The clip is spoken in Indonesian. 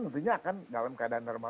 tentunya akan dalam keadaan normal